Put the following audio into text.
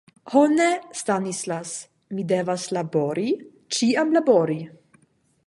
Ho ne, Stanislas, mi devas labori, ĉiam labori.